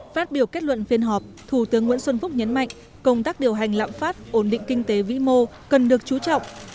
phát biểu kết luận phiên họp thủ tướng nguyễn xuân phúc nhấn mạnh công tác điều hành lạm phát ổn định kinh tế vĩ mô cần được chú trọng